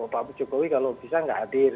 pak jokowi kalau bisa nggak hadir